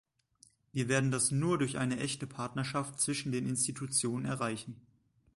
Wir werden das nur durch eine echte Partnerschaft zwischen den Institutionen erreichen.